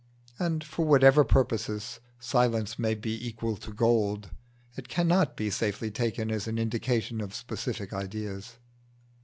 And for whatever purposes silence may be equal to gold, it cannot be safely taken as an indication of specific ideas.